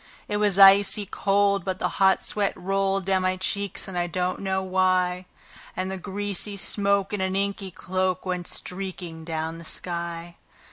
It was icy cold, but the hot sweat rolled down my cheeks, and I don't know why; And the greasy smoke in an inky cloak went streaking down the sky.